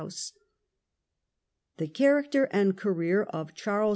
Charles The character and career of Charles IV.